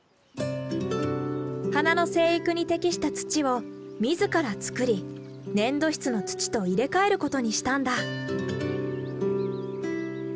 花の生育に適した土を自ら作り粘土質の土と入れかえることにしたんだ。